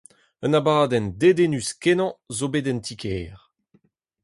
Un abadenn dedennus-kenañ zo bet en ti-kêr.